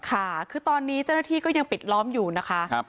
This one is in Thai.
ค่ะคือตอนนี้เจ้าหน้าที่ก็ยังปิดล้อมอยู่นะคะ